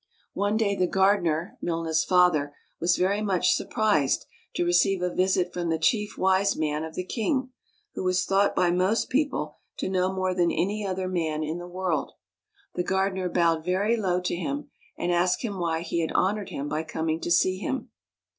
One day the gardener, Milna's father, was very much surprised to receive a visit from the Chief Wise Man of the king, who was thought by most people to know more than any other man in the world. The gardener bowed very low to him, and asked him why he had honored him by coming to see him.